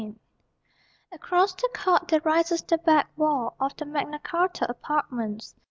Across the court there rises the back wall Of the Magna Carta Apartments.